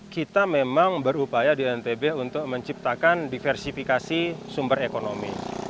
kita memang berupaya di ntb untuk menciptakan diversifikasi sumber ekonomi